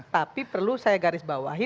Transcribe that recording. tapi perlu saya garis bawahi